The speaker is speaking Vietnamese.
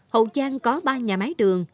hậu giang có ba nhà máy đường